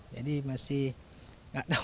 jadi masih gak tahu